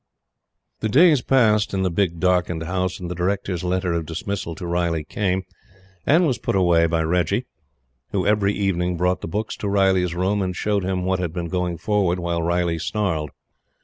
The days passed in the big darkened house, and the Directors' letter of dismissal to Riley came and was put away by Reggie, who, every evening, brought the books to Riley's room, and showed him what had been going forward, while Riley snarled.